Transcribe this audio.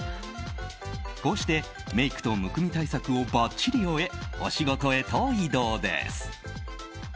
こうしてメイクとむくみ対策をばっちり終えお仕事へと移動です。